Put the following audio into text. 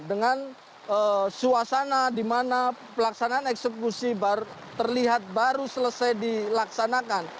dengan suasana di mana pelaksanaan eksekusi terlihat baru selesai dilaksanakan